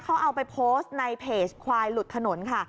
เขาเอาไปโพสต์ในเพจควายหลุดถนนค่ะ